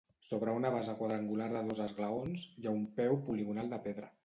Sobre una base quadrangular de dos esglaons hi ha un peu poligonal de pedra.